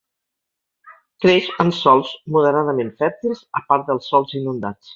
Creix en sòls moderadament fèrtils a part dels sòls inundats.